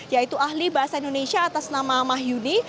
yaitu ahli bahasa indonesia atas nama mahyuni